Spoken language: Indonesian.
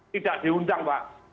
tidak diundang mbak